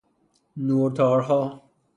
نورتارها